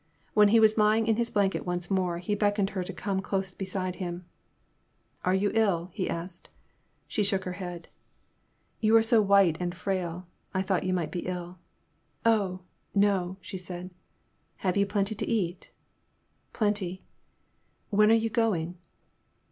When he was lying in his blanket once more, he beckoned her to come close beside him. Are you ill ?" he asked. She shook her head. You are so white and frail — I thought you might be ill." *' Oh, no," she said. Have you plenty to eat ?" Plenty." When are you going